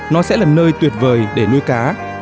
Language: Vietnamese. nó sẽ là nơi tuyệt vời để nuôi cá